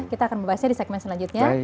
kita akan membahasnya di segmen selanjutnya